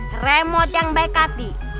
nih remote yang baik hati